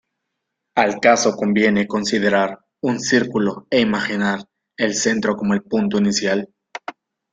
Al caso conviene considerar un círculo e imaginar el centro como el punto inicial.